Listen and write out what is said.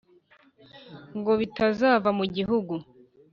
Ngo bitazava mu gihugu,